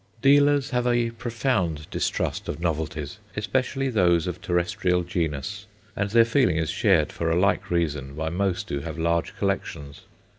Dealers have a profound distrust of novelties, especially those of terrestrial genus; and their feeling is shared, for a like reason, by most who have large collections.